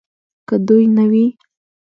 که دوی نه وي